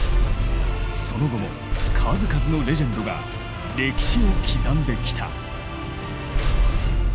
その後も数々のレジェンドが歴史を刻んできた。